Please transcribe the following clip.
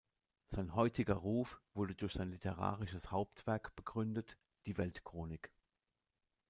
Sein heutiger Ruf wurde durch sein literarisches Hauptwerk begründet, die „Weltchronik“.